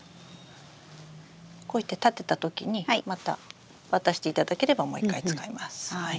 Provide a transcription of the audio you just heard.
こうして立てたときにまた渡していただければもう一回使えます。